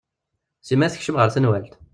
Sima tekcem ɣer tnawalt.